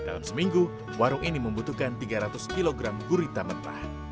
dalam seminggu warung ini membutuhkan tiga ratus kg gurita mentah